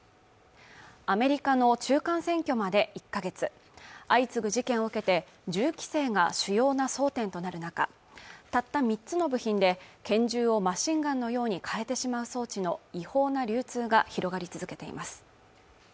アメリカの中間選挙まで１か月相次ぐ事件を受けて銃規制が主要な争点となる中たった３つの部品で拳銃をマシンガンのように変えてしまう装置の違法な流通が広がり続けています